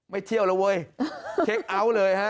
เที่ยวแล้วเว้ยเค้กเอาท์เลยฮะ